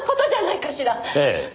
ええ。